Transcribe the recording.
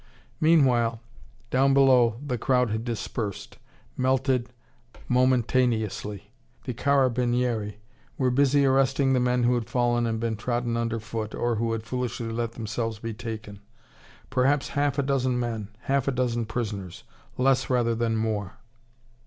Meanwhile down below the crowd had dispersed melted momentaneously. The carabinieri were busy arresting the men who had fallen and been trodden underfoot, or who had foolishly let themselves be taken; perhaps half a dozen men, half a dozen prisoners; less rather than more.